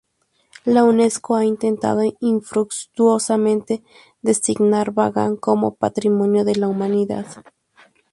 La Unesco ha intentado infructuosamente designar Bagan como Patrimonio de la humanidad.